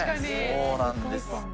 そうなんです。